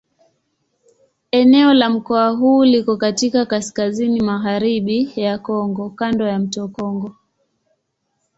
Eneo la mkoa huu liko katika kaskazini-magharibi ya Kongo kando ya mto Kongo.